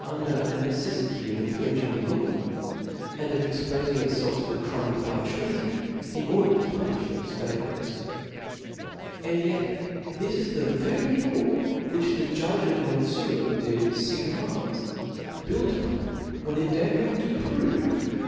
^^^^ under a neceffity of infringing the law, and of exppfing itfelf to the crime of high treafon in order to puni(h thofe favowites. And yet this is the very law which the judge (O.Me of Monfieur de Cinq Mars built upon (*), when j^onJ,.e£ j,j. endeavouring to prove that .